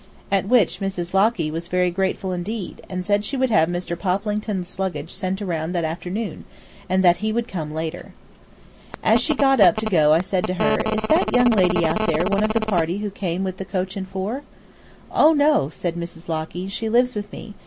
At which Mrs. Locky was very grateful indeed, and said she would have Mr. Poplington's luggage sent around that afternoon, and that he would come later. As she got up to go I said to her, "Is that young lady out there one of the party who came with the coach and four?" "Oh, no," said Mrs. Locky, "she lives with me.